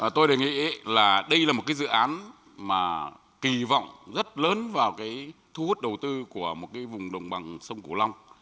tôi đề nghị là đây là một cái dự án mà kỳ vọng rất lớn vào cái thu hút đầu tư của một cái vùng đồng bằng sông cổ long